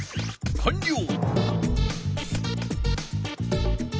かんりょう！